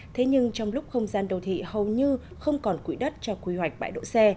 thế nhưng trong lúc không gian đô thị hầu như không còn quỹ đất cho quy hoạch bãi đỗ xe